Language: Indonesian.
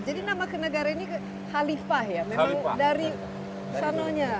jadi nama kenegaraan ini halifah ya memang dari sanonya